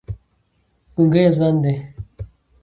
ګونګی اذان دی